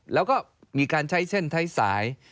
แล้วก็มีการใช้เส้นใช้สาย